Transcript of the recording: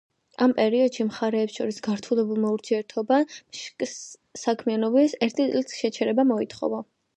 ამ პერიოდში მხარეებს შორის გართულებულმა ურთიერთობამ შსკ-ის საქმიანობის ერთი წლით შეჩერება გამოიწვია.